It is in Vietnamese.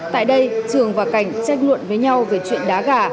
tại đây trường và cảnh tranh luận với nhau về chuyện đá gà